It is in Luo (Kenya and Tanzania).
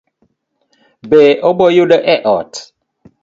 Be aboyude e ot?